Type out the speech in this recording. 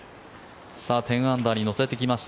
１０アンダーに乗せてきました